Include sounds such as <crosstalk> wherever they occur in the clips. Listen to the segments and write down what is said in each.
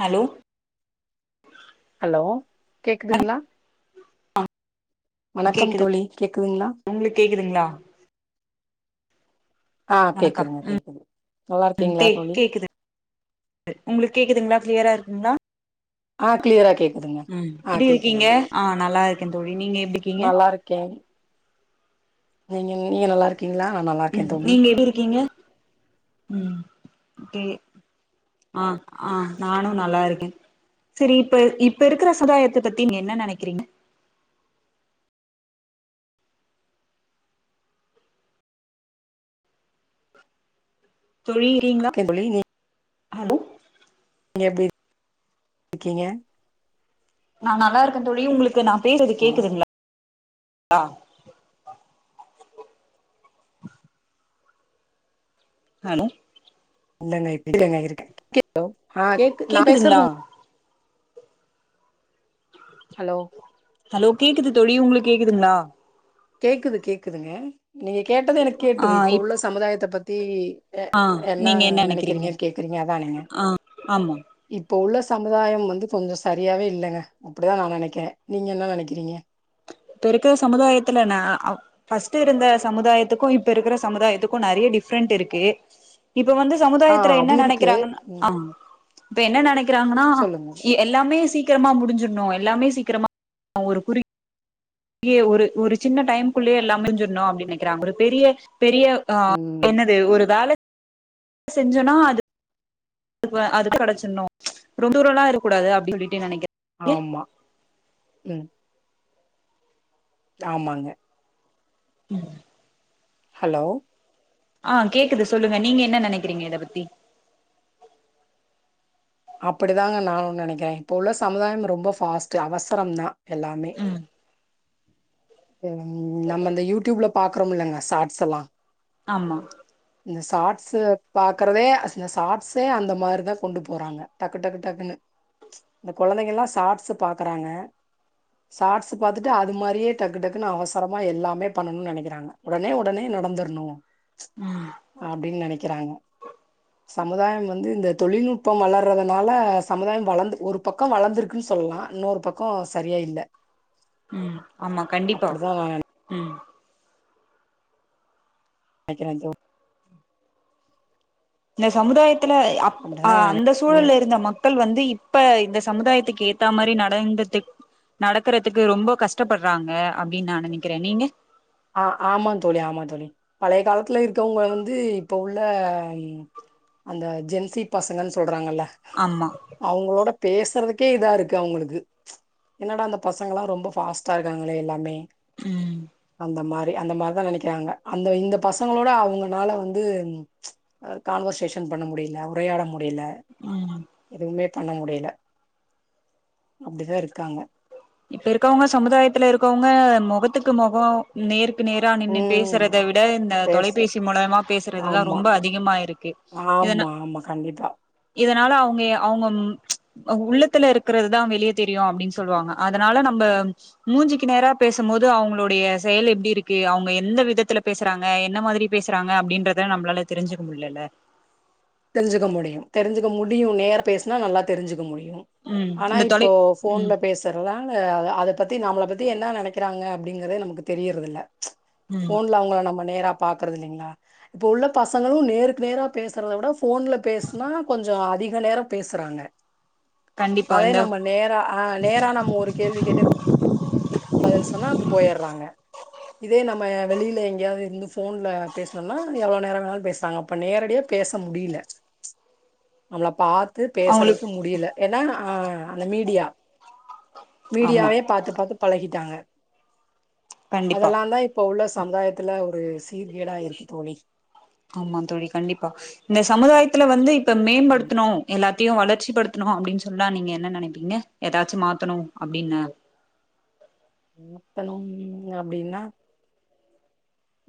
Hello hello கேக்குதுங்ளா வணக்கம் கேக்குது தோழி கேக்குதுங்ளா உங்களுக்கு கேக்குதுங்களா வணக்கம் உம் கேக்குது நல்லா ம் இருக்கீங்களா கே தோழி கேக்குது து உங்களுக்கு கேக்குதுங்களா கிளியரா இருக் ந ஆஹ கிளியரா கேக் உம் எடி இருக்கீங்க ஆஹ நல்லா இரு எந்தோழி நீங்க எப்படிக்கீங்க நல்லா இருக்கே <unintelligible> நீங்க நல்லா இருக் உம் நீங்க எப்டி இருக்கீங்க உம் கே ஆஹ ஆஹ நானு நல்லா இருக்க சரி இப்ப இப்ப இருக்கிற சதாயத்த பத்தி நீங்க என்ன நெனைக்கிறீங்க தொழியிறீங்களா ஓகே ஹலோ நீங் எப்டி கீங்க நா நல்லா இருக்க தோழி உங்களு கு நா பேஸ்ரது ம், கேக்குதுங்களா ஆஹ ஹலோ இல்லங்க <unintelligible> இருக்க கே ஹலோ ஹ கேக்கு நா பேசுரது கேக்குதுங்களா உங் ஹலோ ஹலோ கேக்குது தொழி உங்களுக் கேக்குதுங்களா கேக்குது கேக்குதுங்க நீ கேட்டது எனக்கு ஆ கேட்டுது இப்ப இப் உள்ள சமுதாயத்த பத்தி எ என்ன நெனைக்கிறீங்க கேக்குறீங்க அதானே ஆமா இப்ப உள்ள ஸ் சமுதாயம் வந்து கொஞ்சோ சரியாவே இல்லைங்க அப்படிதா நா நெனகிரா நீங்க என்ன நெனைக்கிறீங்க இப்ப இருக்குற சமுதாயத்துலன அவ் பர்ஸ்ட் இருந்த சமுதாயத்துக்கு இப்ப இருக்கிற சமுதாயத்துக்கு நிறைய டிஃப்ரெண்ட் இருக்கு இப்ப வந்து ஆ சமுதாயத்துல அது என்ன இருக்கு நெனைக்கிறாங்கன்ன ம் ஆ இப்ப என்ன நினைக் கிராங்கன சொல்லுங்க எ எல்லாமே சீக் க்கிரமா முடிஞ்சிடுணு எல்லாமே சீக்கிரமா ஒரு குறி யே ஒரு ஒரு சின்ன டைம்குள்ளையே எல்லா முடிஞ்சிருணு அப்டின்னு நெனைக்றாங் ஒரு பெரிய பெரிய அஹ ம் என்னது ஒரு வேல செஞ்சனா அது வ அ அது கிடைச்சிடுனு ரொண்டுரல்லா இருக்கூடாது அப்டி சொல்லிட்டு நெனைக்கி ஆமா உம் தாமாங்க உம் ஹலோ ஆ கேக்குது சொல்லுங்க நீங்க என்ன நனைக்கிறீங்க இத பத்தி அப்படிதாங்க நானு நனைக்கிற இப்ப உள்ள சமுதாயம் ரொம்போ ஃபாஸ்ட் அவசரோ தா எல்லாமே ம் ம் நம்ம இந்த யூடியூப்ல பாக்றோம் இல்லங்க ஷாட்ஸ் எல்லா ஆமா இந்த ஷாட்ஸு பாக்கறதே இந்த ஷாட்ஸே அந்த மாரி தா கொண்டு போறாங்க டக்கு டக்கு டக்குன்னு இந்த கொழந்தைங்க எல்லா ஷாட்ஸ் பாக்கறாங்க ஷார்ட்ஸ் பாத்துட்டு அது மாரியே டக்கு டக்குன்னு அவசரமா எல்லாமே பண்ணணு நனைக்கிறாங்க உடனே உடனே நடந்துடணு ம் அப்டின்னு நெனைக்கிறாங்க சமுதாயம் வந்து இந்த தொழில்நுட்பம் வளர்றத னால சமுதாயம் வளந்து ஒரு பக்கம் வளர்ந்திருக்குன்னு சொல்லலா இன்னொரு பக்கோ சரியா இல்ல ம் ஆமா கண்டிப்பா அப்டிதா நா ம் நெனைக்கிற தோ ந்த சமுதாய த்தில அப் அப்டிதா அந்த நீங்க சூழல்ல இருந்த ம மக்கள் வந்து இப்ப இந்த சமுதாயத்துக்கு ஏத்தா மாரி நடந்துட்டு நடக்கறதுக்கு ரொம்போ கஷ்டப்படுறாங்க அப்டின்னு நா நெனைக்கிறே நீங்க ஆ ஆமா தோழி ஆமா தோழி பழைய காலத்துல இருக்கவங்க வந்து இப்ப உள்ள அந்த ஜென்சி பசங்கன்னு சொல்றாங்கல்ல ஆமா பேசறதுக்கே இதா இருக்கு அவங்களுக்கு என்னடா அந்த பசங்கலா ரொம்ப ஃபாஸ்ட்டா இருக்காங்ளே எல்லாமே ம் அந்த மாரி அந்த மாரிதா நெனைக்கிறாங்க அந்த இந்த பசங்களோட அவுங்கனால வந்து கான்வர்சேஷன் பண்ண முடியல உரையாட முடி டியல ம் எதுவுமே பண்ண முடியில அப்டிதா இருக்காங்க இப்ப இருக்கவங்க சமுதாயத்துல இருக்கோவங்க மொகத்துக்கு மொக நேர் உக்கு நேரா நின்னு ம் பேசறத விட இந்த எஸ் தொலைபேசி மூலமா பேசுறதுதா ஆமா ரொம்ப அதிகமா இருக்கு இதன ஆமா ஆமா கண்டிப்பா இத அதனால அவுங்கெ அவுங்க உள்ளத்துல இருக்கிறது தா வெளியே தெரியு அப்டின்னு சொல்வாங்க அதனால நம்ம மூஞ்சிக்கு நேரா பேசம் போது அவங்களுடைய செயல் எப்டி இருக்கு அவங்க எந்த விதத்துல பேசறாங்க என்ன மாதிரி பேசறாங்க அப்டின்றத நம்மளால தெரிஞ்சுக்க முடியல இல்ல தெரிஞ்சுக்க முடியு தெரிஞ்சுக்க முடியு நேரா பேசுனா நல்லா தெரிஞ்சுக்க முடியு ம் ஆனா இந்த இப்போ தொலை ஃபோன்ல ம் பேசுறதால அத பத்தி நம்மள பத் து என்ன நெனைக்கிறாங்க அப்டிங்கறதே நமக்கு தெரியறதில்ல ம் ஃபோன்ல அவங்கள நம்ம நேரா பாக்கறது இல்லிங்களா இப்ப உள்ள பசங்களு நேருக்கு நேரா பேசறத விட ஃபோ ஃபோன்ல பேசுனா கொஞ்ச அதி நேரம் பேசுறாங்க கண்டிப்பா அதே இந்த நம்ம நேரா ஆ நேரா நம்ம ஒரு கேள்வி கேட்டு ப பதில் சொன்னா போயர்றாங்க இதே நம்ம வெளியில எங்கேயாவது இருந்து ஃபோன்ல பேசுனம்னா எவ்ளோ நேர வேனாலும் பேசறாங்க அப்போ நேரடியா பேச முடியல நம்மள பா த்து அவங்களுக்கு பேசறதுக்கு முடியல ஏன்னா அ அந்த மீடியா ஆமா மீடியாவயே பாத்து பாத்து பழகிட்டாங்க கண்டிப்பா அதெல்லாந் தா இப்ப உள்ள சமுதாயத்துல ஒரு சீர்கேடா இருக்கு தோழி ஆம்மாந் தோழி கண்டிப்பா இந்த சமுதாயத்தில வந்து இப் ப்ப மேம்படுத்தனு எல்லாத் தியும் வளர்ச்சிப்படுத்தணு அப்படின் சொன்னா நீங்க என்ன நினைப்பீங்க ஏதாச்சு மாத்தணு அப்படின்னு மாத்தனும் அப்டின்னா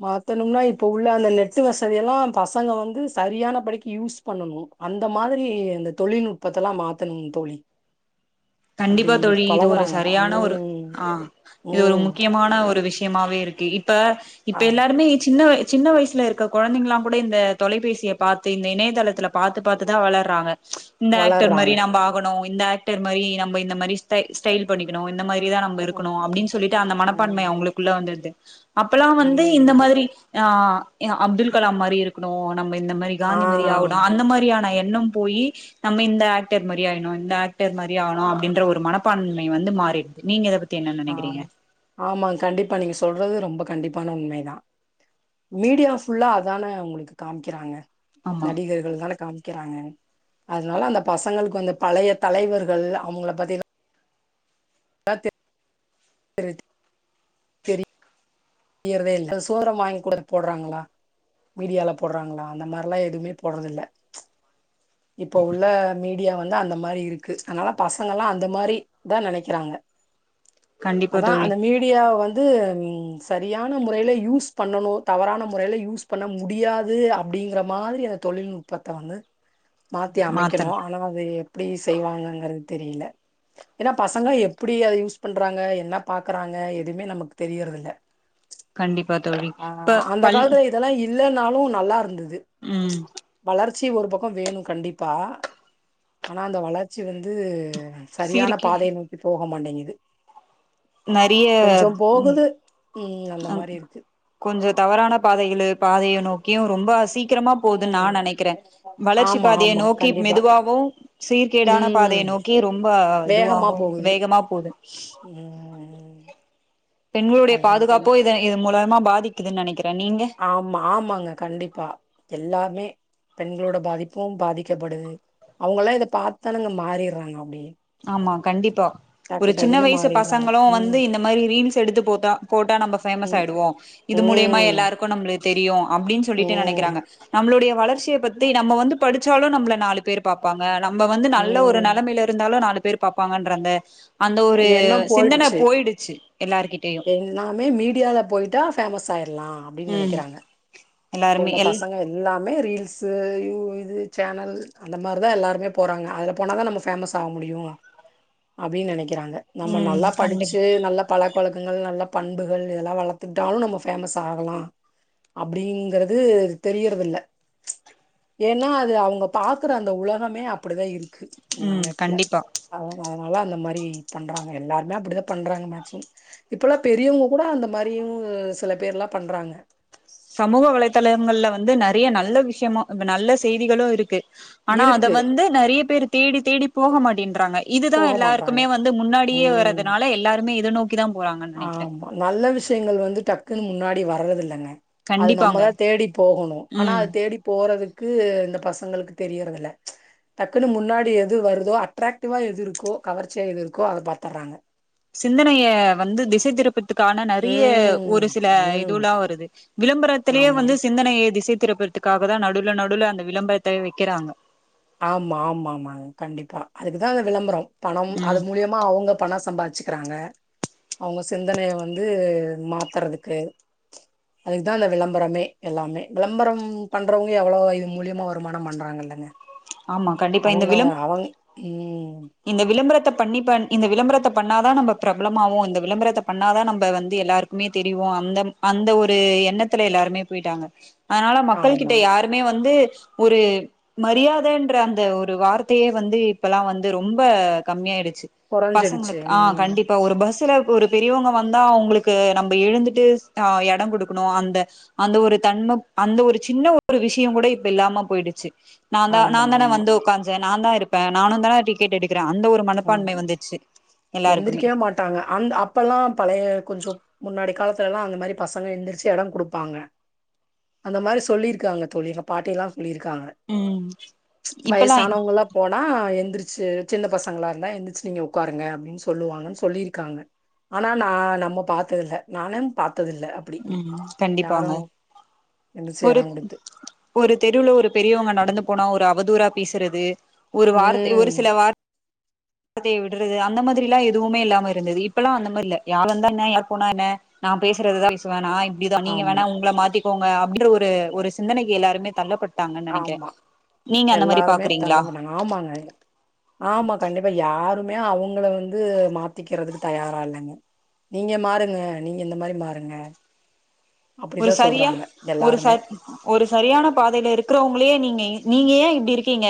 மாத்தணும்னா இப்ப உள்ள அந்த நெட் வசதி எல்லா பசங்க வந்து சரியான படிக்கு யூஸ் பண்ணணு அந்த மாதிரி இந்த தொலில்நுட்பத்தலா மாத்தணு தோழி அப்டி கண்டிப்பா தோழி இது ஒரு பழகுறாங்கல்ல சரியான ஒரு ம் ஆஹ் இது ஒரு ம் முக்கியமான ஒரு விஷயமாவே இருக் <unintelligible> ப இப்ப ஆ எல்லாருமே சின்ன வய சின்ன வயசுல இருக்குற குழந்தைங்கலா கூட இந்த தொலைபேசிய பார்த்து இந்த இணையதளத்துல பார்த்து பார்த்துதா வளர்றாங்க இந்த ஆக்டர் மாரி வளர்றாங்க நம்ப ஆகணு இந்த ஆக்டர் மாரி நாம் நம்ப இந்த மாரி ஸ்டை ஸ்டைல் பண்ணிக்கணு இந்த மா இப்டிதா நம்ப ம் இருக்கணு அப்படின்னு சொல்லிட்டு அந்த ம் மனப்பான்மை அவங்களுக்குள்ள வந்துடுது அப்பல்லா வந்து இந்த ம் மாரி ஆஹ எ அப்துல் கலாம் மாரி இருக்கணு நம்ப இந்த மாரி ஆ காந்திமாரி ஆவணு ஆம் அந்த மாதிரியான என் இன்னும் போயி நம்ம இந்த ஆக்டர் மாரியே ஆயின்னு இந்த ஆக்டர் மாரி ஆனு அப்படின்ற ஒரு மனப்பான்மை வந்து மாறிடுது நீங்க இத பத் ஆ ஆமாங் கண்டிப்பா நீங்க சொல்றது ரொம்ப கண்டிப்பான உண்மைதா மீடியா ஃபுல்லா அதான உங்களுக்கு காமிக்கிறாங்க ஆமா நடிகர்கள் தான காமி க்கிறாங்க அதனால அந்த பசங்களுக்கு வந்து பழைய தலைவர்கள் அவங்கள பத்தி <unintelligible> செய்றதே இல்ல இதுல சோரம் வாங்கி கூட போடுறாங்களா மீடியால போடுறாங்களா அந்த மாரிலா எதுவுமே போடுறதுல்ல இப்போ உள்ள மீ மீடியா வந்து அந்த மாதிரி இருக்கு அனால பசங்கல்லா அந்த மாரி தா நெனைக்கிறாங்க கண்டிப்பா அதா தோழி அந்த மீடியா வ து உம் சரியான முறையில யூஸ் பண்ணணு தவறான முறையில யூஸ் பண்ண முடியாது அப்டிங்கற மாதிரி அந்த தொலில்நுட்பத்த வந்து மாத்தி அமைக்கணு மாத்தணு ஆனா அது எப்படி செய்வாங்கங்கிற தெரியல ஏனா பசங்க எப்படி அத யூஸ் பண்றாங்க என்ன பாக்குறாங்க எதுவுமே நமக்கு தெரியறதுல கண்டிபா தோழி இப்ப பல் இல்லனாலு நல்லா இருந்தது உம் சி ஒரு பக்க வேணு கண்டிபா ஆனா அந்த வளர்ச்சி வந்து சரியான சீர்கி பாதையை நோக்கி போ போ மாட்டேங்குது நறிய கொஞ்சம் ம் போகுது. ம் அந்த அம் மாரி இருக்கு. கொஞ்சோ தவறான பாதைகளு பாதைய நோக் கியு ரொம்பா சீக் கிரமா போதுன்னு நா நெனைக்கிறே ம். வளர்ச்சி ஆமா பாதைய ஆமா நோக்கிப் கண்டிப்பா. மெதுவாவூ சீர்கேடான ம். பாதைய நோக்கி ரொம்ப வேகமா இதுவாகு போகுது. வேகமா போது ம். பெண்களுடைய அதுதான் தோழி. பாதுகாப்போ இதன் இது மூல மா பாதிக்குதுனு நெனைக்க ஆமா ஆமாங்க கண்டிப்பா எல்லாமே பெண்களோட பாதிப்பூ பாதிக்கப்படுது அவங்கல்லா இத பாத்தாந்தாலுங்க மாறிறாங்க அப்டியே ஆமா கண்டிப்பா ஒரு டக்கு சின்ன டக்குன்னு வயசு மாறிர்றாங்க. பசங்களூ ம். வந்து இந்த மாரி ரீல்ஸ் எடுத்து போத்தா போட்டா நம்ம ஃபேமஸ் ம். ஆயிடுவோ இது மூலியமா ம். எல்லாருக்கு நம்ளித் தெரியு அப்டின்னு சொல்லிட்டு நெனைக்கிறாங்க ம். நம்ளுடையப் வளர்ச்சிய பத்தி நம்ம வந்து படிச்சாலூ நம்ள நாலு பேரு பாப்பாங்க நம்ம வந்து நல்ல ஒரு ம். நலமயில ஆல நாலு பேரு பாப்பாங்கன்றாங்க எண்ணோ போயிடுச்சு எல்லார்கிட்டயு எல்லாமே மீடியால போயிட்டா ஃபேமஸ் ஆயிர்லா அப்டின்னு ம் நெனைக்கிறாங்க எல்லாருமே இப்பவுள்ள எல் பசங்க எல்லாமே ரீல்ஸு யூ இது சேனல் அந்த மார்தா எல்லாருமே போறாங்க அதுல போனாதா நம்ம ஃபேமஸ் ஆக முடியூ அப்டின் நெனைக் கிறாங்க நம்மோ ம் நல்லா கண்டிப் படிச்சு நல்ல பழக்கவழக்கங்கள் நல்லப் பண்புகள் இதல்லா வளத்துட்டாலூ நம்ம ஃபேமஸ் ஆகலா அப்டிங்கிறது தெரியிறதில்ல ம்ச் ஏனா அது அவங்க பாக்குற அந்த உலகமே அப்படிதா இருக் <unintelligible> ம் நெட்ல கண்டிப்பா அவ வர் ஒல அந்த மாரி பண்றாங்க எல்லாருமே அப்டிதா பண்றாங்க மேக்சிமம் இப்பல்லா பெரியவங்க கூட அந்த மாரியூ சில பேர்லா பண்றாங்க சமூக வலைதளங்கள்ல வந்து நறைய நல்ல விஷ்யமா ப்ப நல்ல செய்திகளு இருக்கு ஆனா அத இருக்கு வந்து நறைய பேருத் தேடி தேடி போக மாட்டின்றாங்கய் இதுதா போக மாட்றாங்க. எல்லாருக்குமே வந்து முன்னாடியே ம். வர்றதுனால எல்லாருமே இத் <unintelligible> ப் ஆமா நல்ல விஷயங்கள் வந்து டக் குன் முன்னாடி வர்றதில்லங்க அது கண்டிப்பாங்க நம்மதா தேடி போகணூ ஆனா ம் அது தேடி போறதுக் கு இந்த பசங்களுக் தெரியறதில்ல ம்ச் டக்குன்னு முன்னாடி எது வருதோ அட்ராக்டிவா எது இருக்கோ கவர்ச்சியா எது இருக்கோ அத பாத்துறாங்க சிந்தனைய வந்து திசை திருப்பத் துக்கான நறிய ஒரு ம், சில ம். இதுவுல்லா வருது விளம்பரத்துலேயே வந்து ஆமாங்க. சிந்தனைைய திசைத் திறப்புறதுக்காக தா நடுல நடுல அந்த விளம்பரத்த வெக்கிறாங்க ஆமா ஆமா ஆமா கண்டிப்பா அதுக்கு தா அந்த விளம்பரொ பணம் அது ம் மூலியமா அவங்க பணச் சம்பாதிச்சுக்குறாங்க அவங்க சிந்தனைய வந்து மாத்துறதுக்கு அதுக்கு தா அந்த விளம்பரமே எல்லாமே விளம்பரம் பண்றவங்க எவ்வளவோ இதன் மூலியமா வருமான பண்றாங்கல்லங்க ஆமா கண்டிப்பா இந்த அவங்கவ விளம்பர அவங் உம் இந்த விளம்பரத்தப் பண்ணி பண் இந்த விளம்பரத்த பண்ணா தா நம்ப பிரபலமாவோ இந்த விளம்பரத்த பண்ணா தா நம்ப வந்து எல்லாருக்குமே தெரிவோ அந்தம் அந்த ஒரு எண்ணத்துல எல்லாருமே போய்ட்டாங்க அனால மக்கள் ஆமா கிட்ட யாருமே வந்து ஒரு மரியாதன்ற அந்த ஒரு வார்த்தையே வந்து இப்பலா வந் து ரொம்ப கம்மியா ஆயிடு சு கொறஞ்சிடுச்சு பசங்களுக்கு ஆஹ் ம் கண்டிப்பா ஒரு பஸ்ல ஒரு பெரியவங்க வந்தா அவங்களுக்கு நம்ப எழுந்துட்டு ச் ஆஹ் எட குடுக்குணு அந்த அந்த ஒரு தன்ம அந்த ஒரு சின்ன ஒரு விஷய கூட இப்ப இல்லாம போயிடுச்சு நா தா நா ஆமா தானே ஆமா வந்து உக்கான்சே நா தா இருப்ப நானு தான டிக் கெட் எடு உம் எல்லாருக்குமே எந்திரிக்கவே மாட்டாங்க அந்த் அப்பலா பழைய கொஞ்சோ முன்னாடி காலத்துலலா அந்த மாரி பசங்க எழுந்திரிச்சு எட கொடுப்பாங்க அந்த மாரி சொல்லியிருக்காங்க தோழி எங்க பாட்டிலா சொல்லிர்காங்க இப்பல்லா வயசானவங்கலா போனா எந்திரிச் ச சின்ன பச் சங்களா இருந்தா ஏந்திச்சு நீங்க உக்காருங்க அப்டின்னு சொல்லுவாங்கனு சொல்லிருக்காங்க ஆனா நா நம்ம பாத்ததில்ல நானு பாத் த்ததில்ல அப்டி யாரு கண்டிப்பாங்க எந்திரிச்சு ஒரு எடோ குடுத்து ஒரு தெருவுல ஒரு பெரியவங்க நடந்து போனா ஒரு அ வதூரா பேசுறது ஒரு வார்த்தை ஒரு ம் சில வார் ர்த்தைய விடுறது அந்த மாதிரி எல்லா எதுவுமே இல்லாம இருந்தது இப்பலா அந்த மாரி இல்ல யார் வந்தா இருந்தா என்ன யார் போனா என்ன நா பேசுறது தா பேசுவ நா இப் ப்டி தா நீங்க ஆமா வேணா உங்கள மாத்திக் போங்க அப் ப்டின்றத ஒரு ஒரு சிந்தனைக்கு எல்லாருமே தள்ளப்பட் ஆமா எல்லாருமே தள்ள பாக்குறீங்களா <unintelligible> ஆமாங்க ஆமா கண்டிப்பா யாரும் மே அவங்கள வந்து மாத்திக்குறதுக்கு தயாரா இல்லங்க நீங்க மாறுங்க நீங்க இந்த மாரி மாறுங்க ஒரு அப்படிதான் சரியா சொல்றாங்க ஒரு ச எல்லாருமே. ஒரு சரியான பாதைல இருக்குறவங்கள யே நீங்க இ நீங்க யே இப்டி இருக்கீங்க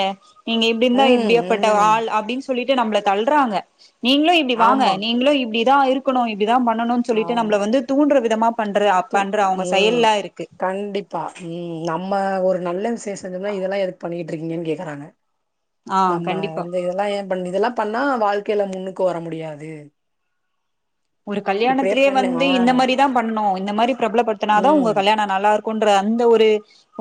நீங்க இப்டி இந்தா ம், எப்டியப்பட்ட ம். ஆள் அப்டின்னு சொல்லிட் டியே நம்ப்ள தல்றாங்க நீங்க்ளு இப்டி வாங்க ஆமா, நீங்க்ளு இப்டி யா இருக்குணு இப் ப்டி தா பண்ணணுன் சொல்லிட்டு நம்ல ஆமா. வந்து தூன்றது தெம்மாப் பண்டறு து அப்பண் ம் கண்டிப்பா ம் நம்ம அ ஒரு நல்ல விசேஷம் சொன்னா இதெல்லா எதுக் பண்ணிகிட்ருக்கீங்கேன் கேக்கறாங்க ஆ நம்ம கண்டிப்பா வந்து இதெல்லா ஏ பண் இதுல்லா பண்ணா வாழ் கே ல முன்னுக்கு வர முடியாது ஒரு இப்படியே கல்யாணத்துலே பண்ணு வந்து ஆ. இந்த மாரிதா பண்ணனு இந்த மாரிப் ப்ரபலப்படுத்துனாதா ம். உங்க கல்யாண நல்லா இருக் கொன்ற அந்த ஒரு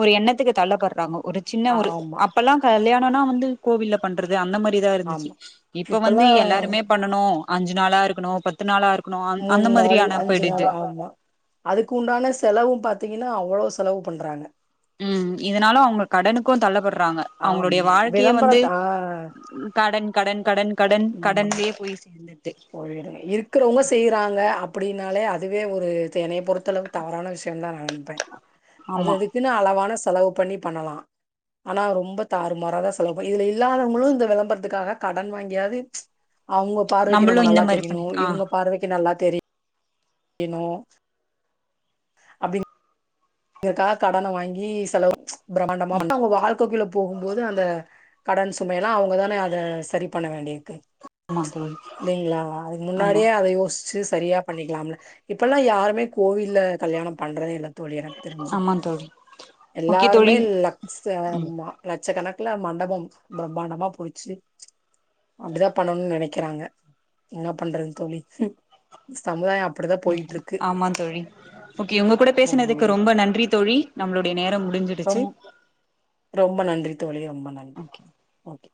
ஒரு எண்ணத்துக்கு தள்ளப்பட்றாங்கோ ஒரு சின்ன ஒரு ஆமா, அப்பல்லா கல்யா னன்னா வந்து கோவில்ல பண்றது அந்த மார் ப்டி தா இருந்துச்சு ஆமா. இப்ப வந்து இப்பல்லாம் எல்லாருமே பண்ணனு அஞ்சு நாளா இருக்கணு பத் த்து நாளா இருக் மூண் நாள் அஞ்சு நாள் ஆமா அதுக்கு உண்டான செலவு பாத் தீங்கனா அவளோ செலவு பண்றாங்க ம் இதனால அவ்ங்க கடனுக்கு தள்ளபற்றா <unintelligible> அவுங்ளோடய ஆமா வாழ்க்கியே வந்து விளம்பரத்த ஆ கடன் கடன் கடன் கடன் கடன்லியே போயிர்ச் இர்க்குறவ்ங்க செய்யிறாங்க அப் ப்புடின்னாலே அதுவே ஒரு எனய பொறுத்தளவு தவறான விஷ்யம்ந்தா நா நன்ப்பே அது அது ஆமா அதுகுனு அளவான தலவு பண்ணி பண்ணலா ஆனா ரொம்ப தாறுமாறாதா செலவு பண்ணி இதுல இல்லாதவ்ங்குளு இந்த விளம்பரத்துக்காக கடன் வாங்கியாது அவ்ங்க பார்வை நம்ம நம்மளு இந்த நல்லா மாரி தெரிய்ணு பண்ணி ஆ இவ்ங்க பார்வக்கு நல்லா தெரி எனு அப்டிங் இருக்கா கடன வாங்கி செலவு பிரமாண்டமா <unintelligible> அவ்ங்க வாழ்க்ககுள்ள போகும்போது அந்த கடன் சுமையெல்லா அவுங்கதானே அத சரி பண்ண வேண்டியிர்க்கு ஆமா தோழி லிங்ளா அதுக்கு ஆமா முன்னாடியே அத யோஸ் சி சரியா பண்ணிக்லாம்ல இப்பெல்லா யாருமே கோவில்ல கல்யாணம் பண்றதே இல்ல தோழி தெரிஞ்சு ஆமா தோழி ஓகே எல்லாருமே தோழி லெக்ஸ்ட் ம் ஆமா லெட்சக்கணக் குல மண்டபம் பிரமாண்டமா புடிச்சி அப்டிதா பண்ணணும்னு நெனைக்கிறாங்க என்ன பண்றதுன் தோழி ம் சமுதாய் ம் ஆம்மாந் தோழி ஓகே உங்க கூட பேசினதுக்கு ரொம்ப நன்றி தோழி நம்ளுடைய நேரம் <inaudible> முடிஞ்சிடுச்சு ரொம் ரொம்ப நன்றி தோழி ரொம் ப நன்றி ஓகே ஓகே